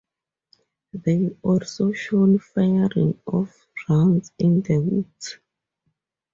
They're also shown firing off rounds in the woods.